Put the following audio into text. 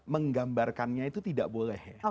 menggambarkannya itu tidak boleh